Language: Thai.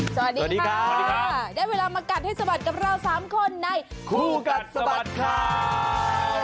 สวัสดีค่ะได้เวลามากัดให้สะบัดกับเรา๓คนในคู่กัดสะบัดข่าว